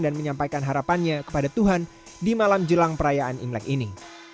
dan menyampaikan harapannya kepada tuhan di malam jelang perayaan imlek ini